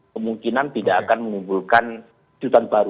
kemungkinan tidak akan menimbulkan kejutan baru